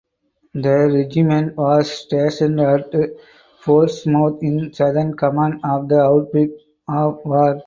The regiment was stationed at Portsmouth in Southern Command on the outbreak of war.